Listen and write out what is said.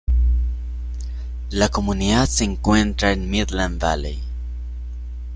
La comunidad se encuentra en Midland Valley.